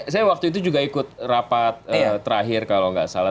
saya waktu itu juga ikut rapat terakhir kalau nggak salah